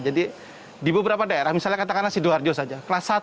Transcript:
jadi di beberapa daerah misalnya katakanlah sido harjo saja